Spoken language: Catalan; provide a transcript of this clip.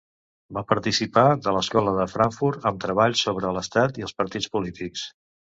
Va participar de l'Escola de Frankfurt amb treballs sobre l'Estat i els Partits polítics.